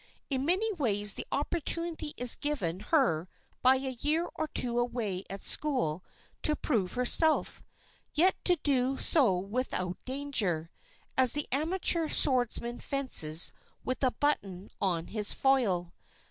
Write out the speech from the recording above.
In many ways the opportunity is given her by a year or two away at school to prove herself, yet to do so without danger, as the amateur swordsman fences with a button on his foil.